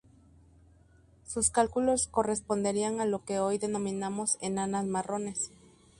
Sus cálculos corresponderían a lo que hoy denominamos enanas marrones.